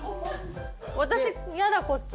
私嫌だ、こっち。